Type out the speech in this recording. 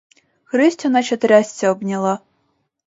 Христю наче трясця обняла.